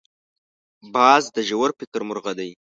باز د ژور فکر مرغه دی